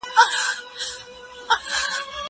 زه به د کتابتوننۍ سره مرسته کړې وي!.